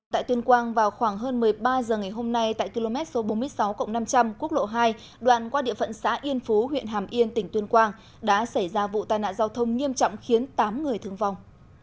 tại tuyên quang vào khoảng hơn một mươi ba h ngày hôm nay tại km số bốn mươi sáu năm trăm linh quốc lộ hai đoạn qua địa phận xã yên phú huyện hàm yên tỉnh tuyên quang đã xảy ra vụ tai nạn giao thông nghiêm trọng khiến tám người thương vong